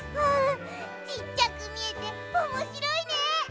ちっちゃくみえておもしろいね！